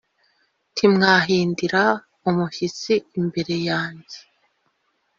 ntimwahindira umushyitsi imbere yanjye